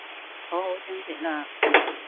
好好珍惜喇